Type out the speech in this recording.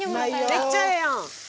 めっちゃいいやん！